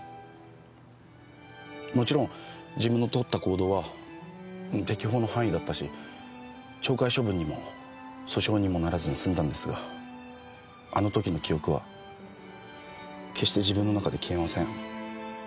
もちろん自分のとった行動は適法の範囲だったし懲戒処分にも訴訟にもならずに済んだんですがあの時の記憶は決して自分の中で消えません。